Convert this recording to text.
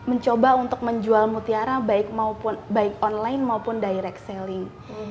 mencoba untuk menjual mutiara baik online maupun direct selling